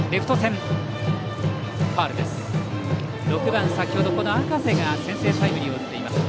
６番、先程この赤瀬が先制タイムリーを打っています。